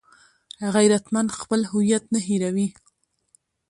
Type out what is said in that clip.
غیرتمند خپل هویت نه هېروي